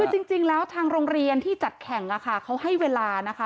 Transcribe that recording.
คือจริงแล้วทางโรงเรียนที่จัดแข่งเขาให้เวลานะคะ